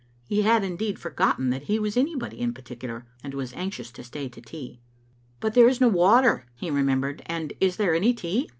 He had, indeed, forgotten that he was anybody in particular, and was anxious to stay to tea. "But there is no water," he remembered, "and is there any tea?"